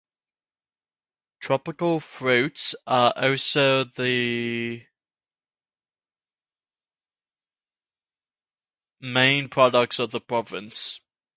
Tropical fruits are also among the main products of the province.